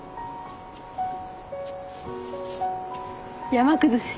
山崩し。